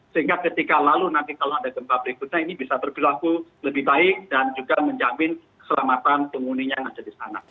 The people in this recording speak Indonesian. sehingga ketika lalu nanti kalau ada gempa berikutnya ini bisa berperilaku lebih baik dan juga menjamin keselamatan penghuninya yang ada di sana